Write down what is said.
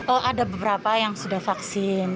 oh ada beberapa yang sudah vaksin